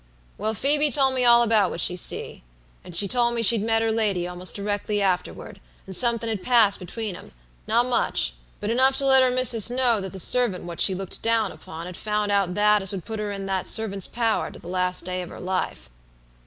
"Well, Phoebe told me all about what she see, and she told me she'd met her lady almost directly afterward, and somethin' had passed between 'em, not much, but enough to let her missus know that the servant what she looked down upon had found out that as would put her in that servant's power to the last day of her life.